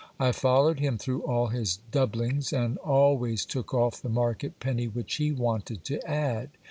I followed him through all his doublings, and always took off the market penny which he wanted to add.